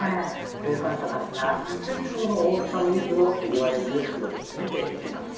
生産者たちが１０センチほどの大きさのゆずを手際よく袋に詰めていきました。